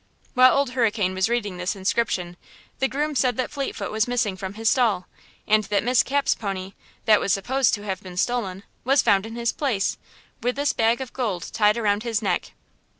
While Old Hurricane was reading this inscription, the groom said that Fleetfoot was missing from his stall, and that Miss Cap's pony, that was supposed to have been stolen, was found in his place, with this bag of gold tied around his neck!